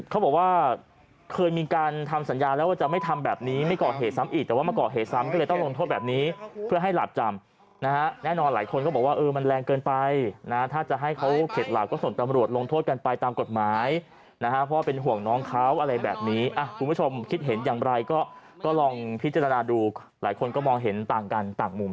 เขาบอกว่าเคยมีการทำสัญญาแล้วว่าจะไม่ทำแบบนี้ไม่เกาะเหตุซ้ำอีกแต่ว่ามาเกาะเหตุซ้ำก็เลยต้องลงโทษแบบนี้เพื่อให้หลับจำนะฮะแน่นอนหลายคนก็บอกว่ามันแรงเกินไปนะฮะถ้าจะให้เขาเข็ดหลักก็ส่งตำรวจลงโทษกันไปตามกฎหมายนะฮะเพราะเป็นห่วงน้องเขาอะไรแบบนี้อ่ะคุณผู้ชมคิดเห็นอย